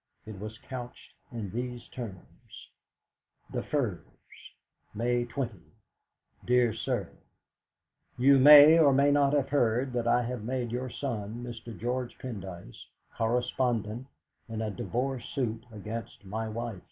It was couched in these terms: "THE FIRS, "May 20. "DEAR SIR, "You may or may not have heard that I have made your son, Mr. George Pendyce, correspondent in a divorce suit against my wife.